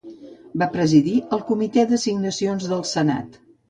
Va presidir el Comitè d'Assignacions del Senat.